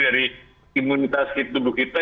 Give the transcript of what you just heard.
dari imunitas tubuh kita